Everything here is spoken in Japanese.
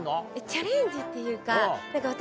チャレンジっていうか私。